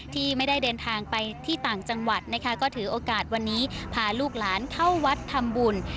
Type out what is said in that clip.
ที่ไม่ได้เดินทางไปที่ต่างจังหวัดนะคะก็ถือโอกาสวันนี้พาลูกหลานเข้าวัดทำบุญ